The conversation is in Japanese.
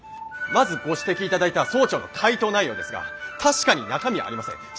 まずご指摘いただいた総長の回答内容ですが確かに中身はありません。